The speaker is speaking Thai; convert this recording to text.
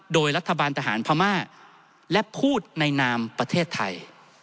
โดยรัฐบาลทหารพม่าและพูดในนามประเทศไทย